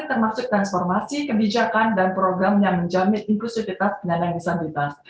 termasuk transformasi kebijakan dan program yang menjamin inklusivitas penyandang disabilitas